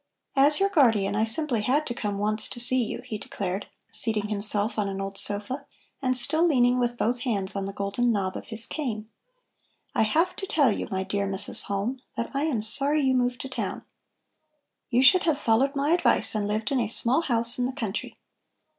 "As your guardian I simply had to come once to see you," he declared, seating himself on an old sofa and still leaning with both hands on the golden knob of his cane. "I have to tell you, my dear Mrs. Halm, that I am sorry you moved to town. You should have followed my advice and lived in a small house in the country.